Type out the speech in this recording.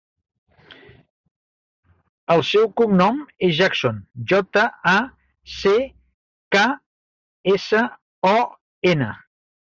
El seu cognom és Jackson: jota, a, ce, ca, essa, o, ena.